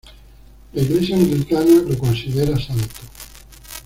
La Iglesia anglicana lo considera santo.